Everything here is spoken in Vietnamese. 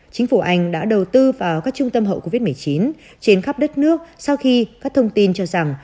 chính phủ anh đã đầu tư vào các trung tâm hậu covid một mươi chín trên khắp đất nước sau khi các thông tin cho rằng